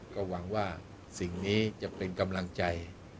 ก็หวังว่าสิ่งนี้จะเป็นกำลังใจ